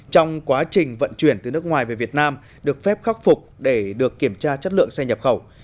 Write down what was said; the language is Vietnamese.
trong quá trình vận chuyển từ nước ngoài về việt nam được phép khắc phục để được kiểm tra chất lượng xe nhập khẩu